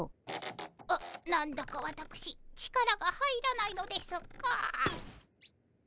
な何だかわたくし力が入らないのですが。